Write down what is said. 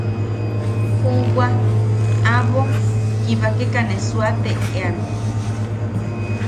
Jubwa aʼabo kibakeka ne suateʼean.